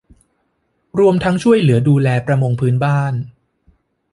รวมทั้งช่วยเหลือดูแลประมงพื้นบ้าน